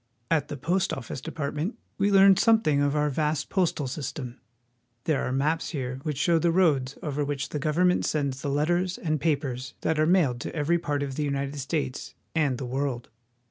At the Post Office Department we learn something of our vast postal system. There are maps here which show the roads over which the government sends the letters and papers that are mailed to every part of the United States and the world.